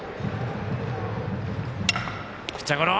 ピッチャーゴロ。